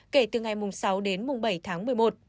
kể từ ngày sáu đến bảy tháng một mươi một